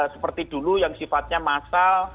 seperti dulu yang sifatnya massal